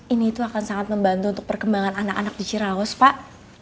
ini itu akan sangat membantu untuk perkembangan anak anak di cirawas pak